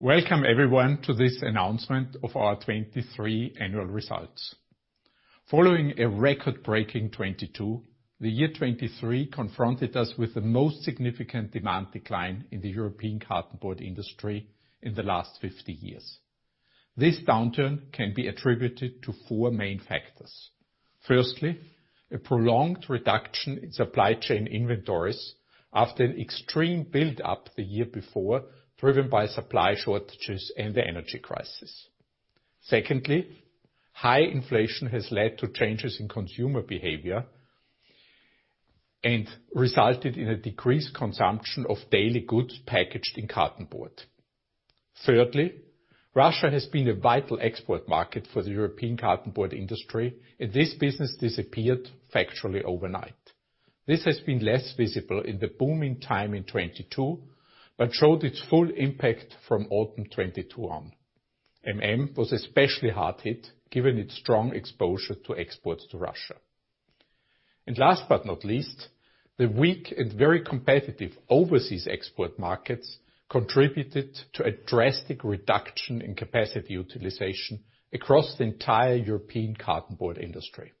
Welcome everyone to this announcement of our 2023 Annual Results. Following a record-breaking 2022, the year 2023 confronted us with the most significant demand decline in the European cardboard industry in the last 50 years. This downturn can be attributed to four main factors. Firstly, a prolonged reduction in supply chain inventories after an extreme buildup the year before, driven by supply shortages and the energy crisis. Secondly, high inflation has led to changes in consumer behavior and resulted in a decreased consumption of daily goods packaged in cardboard. Thirdly, Russia has been a vital export market for the European cardboard industry, and this business disappeared factually overnight. This has been less visible in the booming time in 2022 but showed its full impact from autumn 2022 on. Was especially hard-hit given its strong exposure to exports to Russia. Last but not least, the weak and very competitive overseas export markets contributed to a drastic reduction in capacity utilization across the entire European cardboard industry.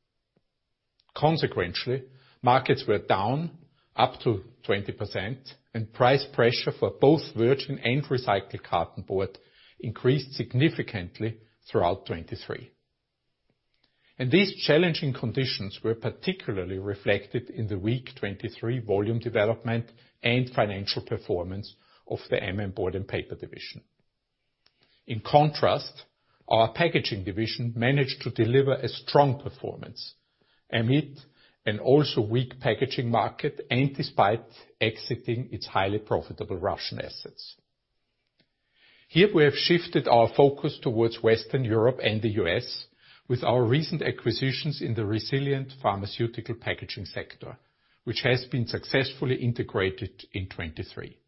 Consequentially, markets were down up to 20%, and price pressure for both virgin and recycled cardboard increased significantly throughout 2023. These challenging conditions were particularly reflected in the weak 2023 volume development and financial performance of the Board and Paper Division. In contrast, our Packaging division managed to deliver a strong performance amid an also weak packaging market and despite exiting its highly profitable Russian assets. Here we have shifted our focus towards Western Europe and the U.S. with our recent acquisitions in the resilient pharmaceutical packaging sector, which has been successfully integrated in 2023.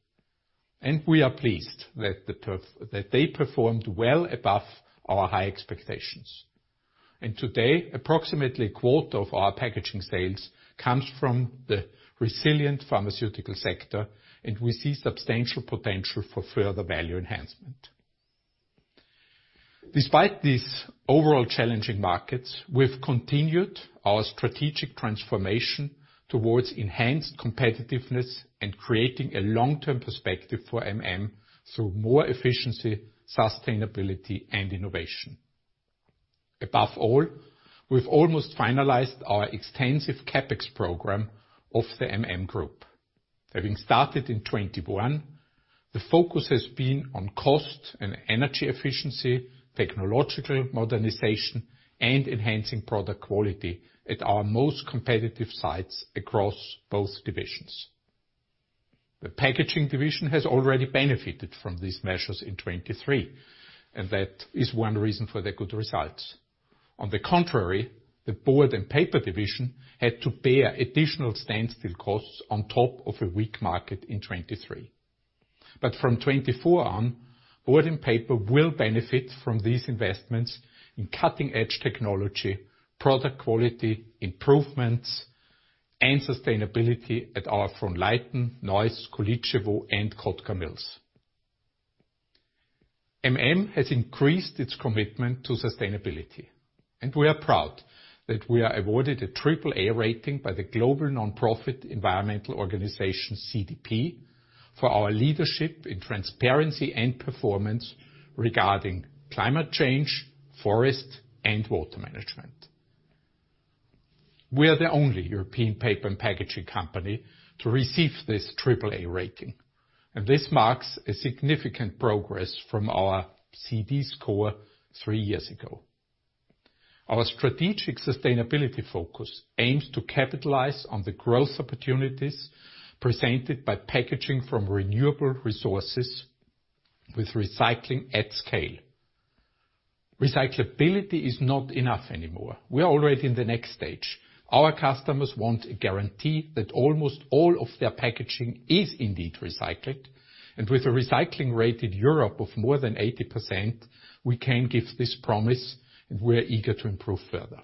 We are pleased that they performed well above our high expectations. Today, approximately a quarter of our packaging sales comes from the resilient pharmaceutical sector, and we see substantial potential for further value enhancement. Despite these overall challenging markets, we've continued our strategic transformation towards enhanced competitiveness and creating a long-term perspective for through more efficiency, sustainability, and innovation. Above all, we've almost finalized our extensive CapEx program of the Group. Having started in 2021, the focus has been on cost and energy efficiency, technological modernization, and enhancing product quality at our most competitive sites across both divisions. The Packaging division has already benefited from these measures in 2023, and that is one reason for the good results. On the contrary, the Board and Paper division had to bear additional standstill costs on top of a weak market in 2023. But from 2024 on, Board and Paper will benefit from these investments in cutting-edge technology, product quality improvements, and sustainability at our Frohnleiten, Neuss, Količevo, and Kotka mills. Has increased its commitment to sustainability, and we are proud that we are awarded a AAA rating by the global nonprofit environmental organization CDP for our leadership in transparency and performance regarding climate change, forest, and water management. We are the only European paper and packaging company to receive this AAA rating, and this marks a significant progress from our CDP score three years ago. Our strategic sustainability focus aims to capitalize on the growth opportunities presented by packaging from renewable resources with recycling at scale. Recyclability is not enough anymore. We are already in the next stage. Our customers want a guarantee that almost all of their packaging is indeed recycled, and with a recycling rated Europe of more than 80%, we can give this promise, and we are eager to improve further.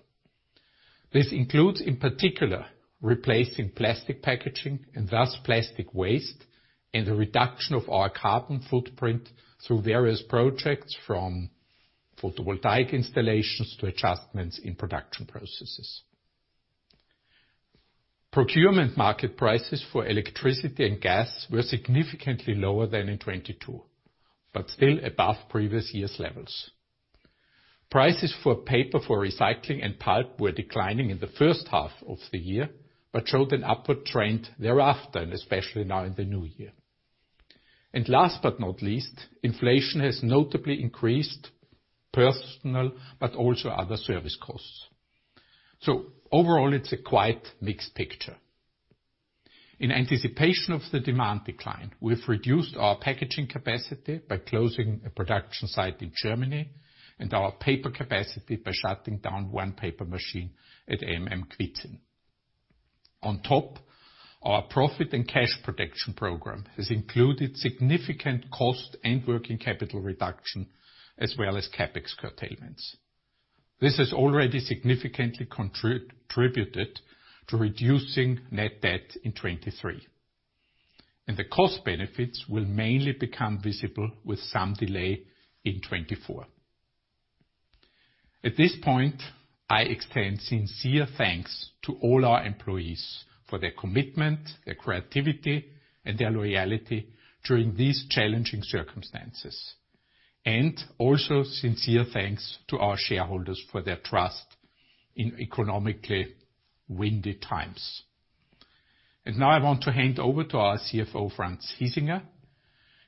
This includes, in particular, replacing plastic packaging and thus plastic waste, and the reduction of our carbon footprint through various projects, from photovoltaic installations to adjustments in production processes. Procurement market prices for electricity and gas were significantly lower than in 2022, but still above previous year's levels. Prices for paper for recycling and pulp were declining in the first half of the year but showed an upward trend thereafter, and especially now in the new year. And last but not least, inflation has notably increased personal but also other service costs. So overall, it's a quite mixed picture. In anticipation of the demand decline, we've reduced our packaging capacity by closing a production site in Germany and our paper capacity by shutting down one paper machine at Kwidzyn. On top, our Profit and Cash Protection Program has included significant cost and working capital reduction, as well as CapEx curtailments. This has already significantly contributed to reducing net debt in 2023, and the cost benefits will mainly become visible with some delay in 2024. At this point, I extend sincere thanks to all our employees for their commitment, their creativity, and their loyalty during these challenging circumstances. And also sincere thanks to our shareholders for their trust in economically windy times. And now I want to hand over to our CFO, Franz Hiesinger.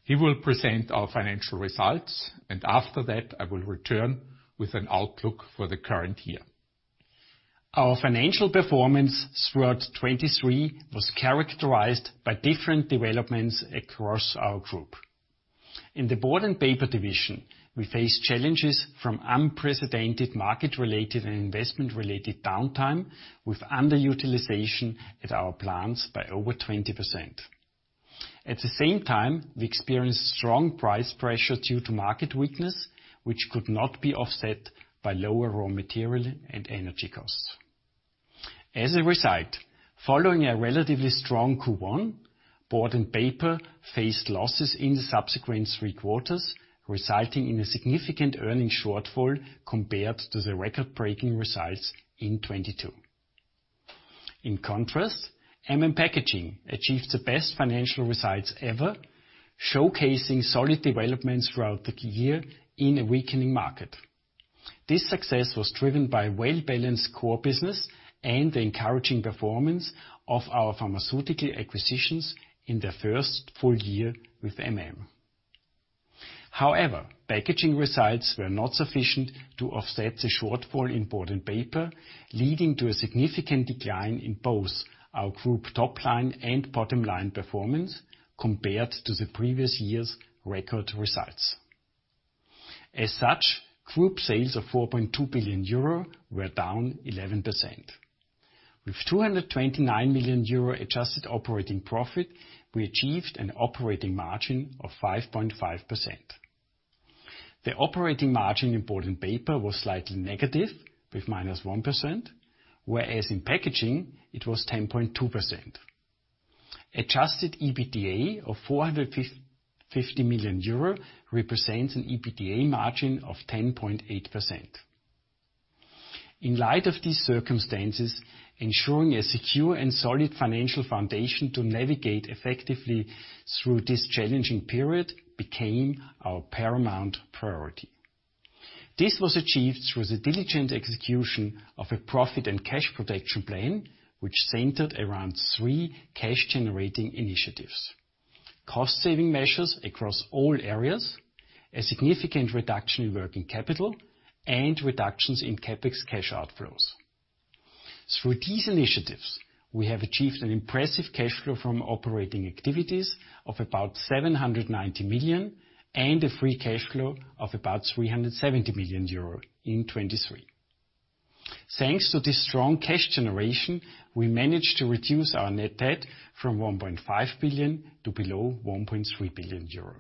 He will present our financial results, and after that, I will return with an outlook for the current year. Our financial performance throughout 2023 was characterized by different developments across our group. In the Board and Paper division, we faced challenges from unprecedented market-related and investment-related downtime, with underutilization at our plants by over 20%. At the same time, we experienced strong price pressure due to market weakness, which could not be offset by lower raw material and energy costs. As a result, following a relatively strong Q1, Board and Paper faced losses in the subsequent three quarters, resulting in a significant earnings shortfall compared to the record-breaking results in 2022. In contrast, Packaging achieved the best financial results ever, showcasing solid developments throughout the year in a weakening market. This success was driven by well-balanced core business and the encouraging performance of our pharmaceutical acquisitions in their first full year. However, Packaging results were not sufficient to offset the shortfall in Board and Paper, leading to a significant decline in both our group topline and bottomline performance compared to the previous year's record results. As such, group sales of 4.2 billion euro were down 11%. With 229 million euro adjusted operating profit, we achieved an operating margin of 5.5%. The operating margin in Board and Paper was slightly negative, with -1%, whereas in packaging it was 10.2%. Adjusted EBITDA of 450 million euro represents an EBITDA margin of 10.8%. In light of these circumstances, ensuring a secure and solid financial foundation to navigate effectively through this challenging period became our paramount priority. This was achieved through the diligent execution of a profit and cash protection plan, which centered around three cash-generating initiatives: cost-saving measures across all areas, a significant reduction in working capital, and reductions in CapEx cash outflows. Through these initiatives, we have achieved an impressive cash flow from operating activities of about 790 million and a free cash flow of about 370 million euro in 2023. Thanks to this strong cash generation, we managed to reduce our net debt from 1.5 billion to below 1.3 billion euro.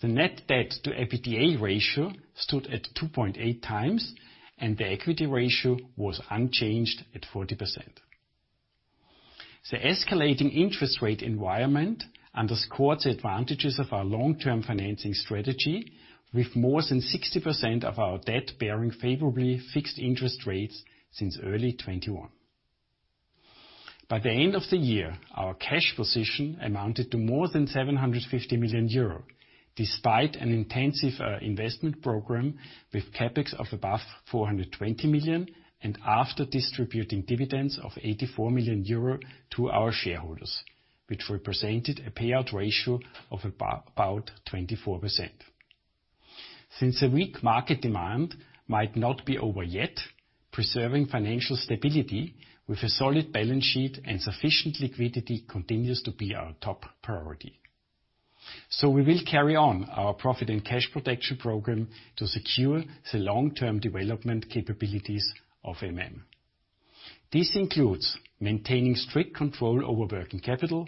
The net debt-to-EBITDA ratio stood at 2.8 times, and the equity ratio was unchanged at 40%. The escalating interest rate environment underscored the advantages of our long-term financing strategy, with more than 60% of our debt bearing favorably fixed interest rates since early 2021. By the end of the year, our cash position amounted to more than 750 million euro, despite an intensive investment program with CapEx of above 420 million and after distributing dividends of 84 million euro to our shareholders, which represented a payout ratio of about 24%. Since the weak market demand might not be over yet, preserving financial stability with a solid balance sheet and sufficient liquidity continues to be our top priority. So we will carry on our profit and cash protection program to secure the long-term development capabilities. This includes maintaining strict control over working capital,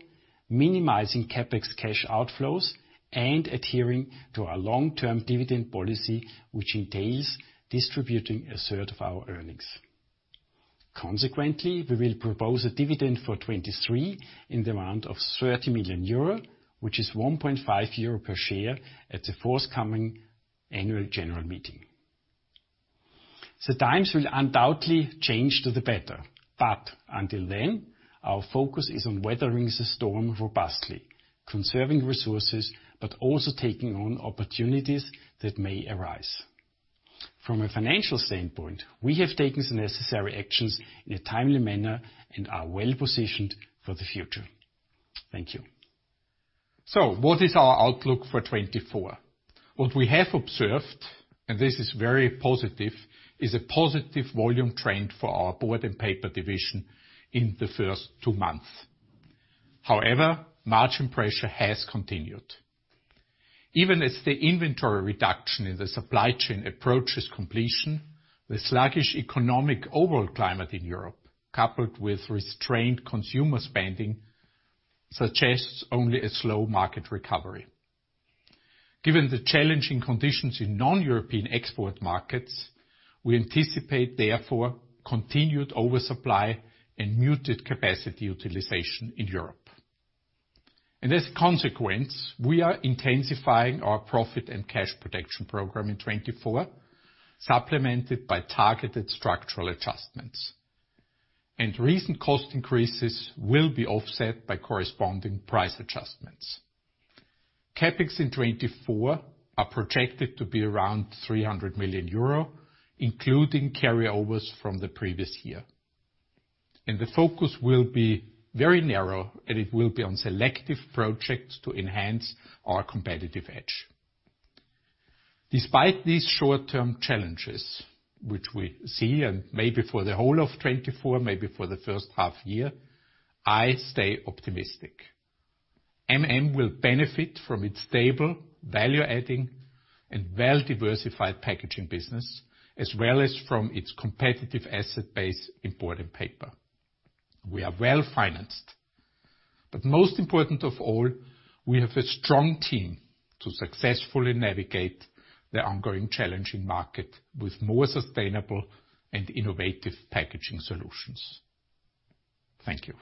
minimizing CapEx cash outflows, and adhering to our long-term dividend policy, which entails distributing a third of our earnings. Consequently, we will propose a dividend for 2023 in the amount of 30 million euro, which is 1.5 euro per share at the forthcoming annual general meeting. The times will undoubtedly change to the better, but until then, our focus is on weathering the storm robustly, conserving resources but also taking on opportunities that may arise. From a financial standpoint, we have taken the necessary actions in a timely manner and are well positioned for the future. Thank you. So what is our outlook for 2024? What we have observed, and this is very positive, is a positive volume trend for our Board and Paper division in the first two months. However, margin pressure has continued. Even as the inventory reduction in the supply chain approaches completion, the sluggish economic overall climate in Europe, coupled with restrained consumer spending, suggests only a slow market recovery. Given the challenging conditions in non-European export markets, we anticipate therefore continued oversupply and muted capacity utilization in Europe. As a consequence, we are intensifying our profit and cash protection program in 2024, supplemented by targeted structural adjustments. Recent cost increases will be offset by corresponding price adjustments. CapEx in 2024 are projected to be around 300 million euro, including carryovers from the previous year. The focus will be very narrow, and it will be on selective projects to enhance our competitive edge. Despite these short-term challenges, which we see maybe for the whole of 2024, maybe for the first half year, I stay optimistic. It will benefit from its stable, value-adding, and well-diversified packaging business, as well as from its competitive asset base in MM Board & Paper. We are well financed. But most important of all, we have a strong team to successfully navigate the ongoing challenging market with more sustainable and innovative packaging solutions. Thank you.